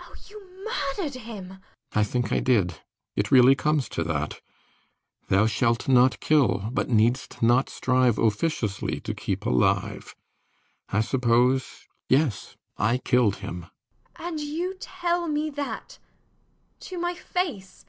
oh! you murdered him. RIDGEON. I think I did. It really comes to that. Thou shalt not kill, but needst not strive Officiously to keep alive. I suppose yes: I killed him. JENNIFER. And you tell me that! to my face!